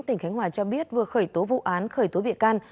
tỉnh khánh hòa cho biết vừa khởi tố vụ án khởi tố bị can